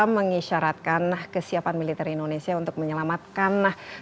mengisyaratkan kesiapan militer indonesia untuk menyelamatkan